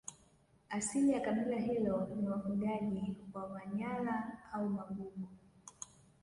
Asili ya kabila hilo ni wafugaji wa Manyara au Magugu